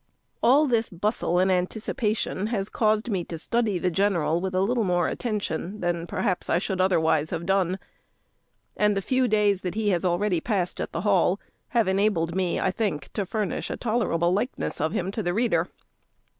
All this bustle and anticipation has caused me to study the general with a little more attention than, perhaps, I should otherwise have done; and the few days that he has already passed at the Hall have enabled me, I think, to furnish a tolerable likeness of him to the reader.